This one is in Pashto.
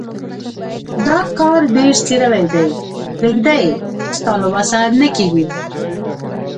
دا کار ډېر څيرلی دی. پرېږده يې؛ ستا له وسه نه کېږي.